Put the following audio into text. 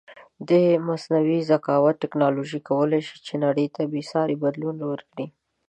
د مصنوعې زکاوت ټکنالوژی کولی شې چې نړی ته بیساری بدلون ورکړې